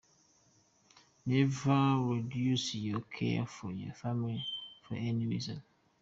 Never reduce your care for your family for any reason.